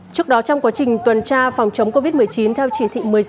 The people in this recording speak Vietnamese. trước đó trong quá trình tuần tra phòng chống covid một mươi chín theo chỉ thị một mươi sáu